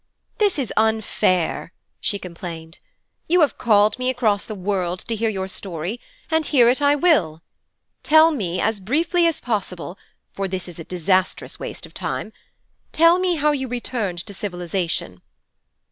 'This is unfair,' she complained. 'You have called me across the world to hear your story, and hear it I will. Tell me as briefly as possible, for this is a disastrous waste of time tell me how you returned to civilization.'